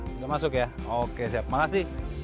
sudah masuk ya oke siap makasih